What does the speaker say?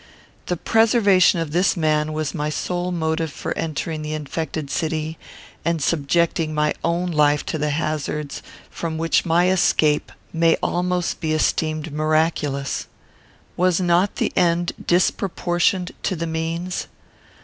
The preservation of this man was my sole motive for entering the infected city, and subjecting my own life to the hazards from which my escape may almost be esteemed miraculous. Was not the end disproportioned to the means?